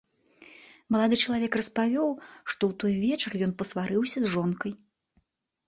Малады чалавек распавёў, што ў той вечар ён пасварыўся з жонкай.